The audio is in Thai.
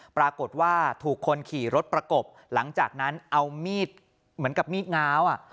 ปรากฏว่าถูกคนขี่รถประกบหลังจากนั้นเอามีดเหมือนกับมีดง้าว